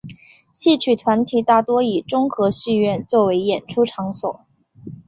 戏曲团体大多以中和戏院作为演出场所。